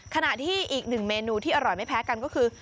ขณะที่อีกหนึ่งเมนูที่อร่อยไม่แพ้กันก็คือ